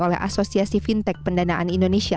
oleh asosiasi fintech pendanaan indonesia